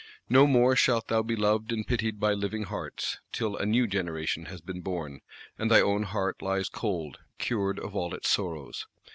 No more shalt thou be loved and pitied by living hearts, till a new generation has been born, and thy own heart lies cold, cured of all its sorrows.